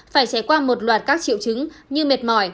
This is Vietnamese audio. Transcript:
phải trải qua một loạt các triệu chứng như mệt mỏi